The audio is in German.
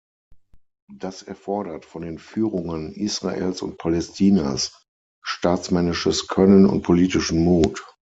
Das erfordert von den Führungen Israels und Palästinas staatsmännisches Können und politischen Mut.